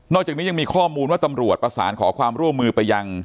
จากนี้ยังมีข้อมูลว่าตำรวจประสานขอความร่วมมือไปยัง